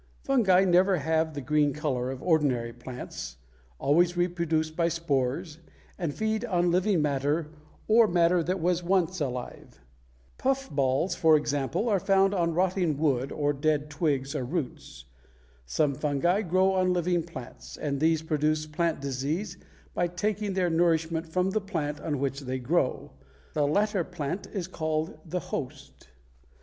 Fungi never have the green color of ordinary plants, always reproduce by spores, and feed on living matter or matter that was once alive. Puffballs, for example, are found on rotting wood or dead twigs or roots. Some fungi grow on living plants, and these produce plant disease by taking their nourishment from the plant on which they grow; the latter plant is called the host.